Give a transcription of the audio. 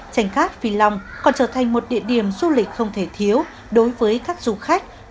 tranh khát phi lông còn trở thành một địa điểm du lịch không thể thiếu đối với các du khách mỗi lần ghé thăm phan thiết